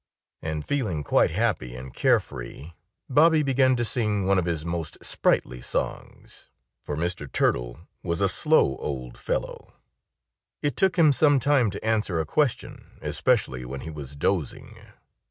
And feeling quite happy and care free, Bobby began to sing one of his most sprightly songs. For Mr. Turtle was a slow old fellow. It took him some time to answer a question, especially when he was dozing.